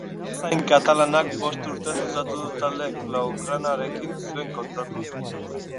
Atezain katalanak bost urtez luzatu du talde blaugranarekin zuen kontratua.